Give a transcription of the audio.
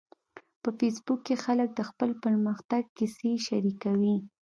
په فېسبوک کې خلک د خپل پرمختګ کیسې شریکوي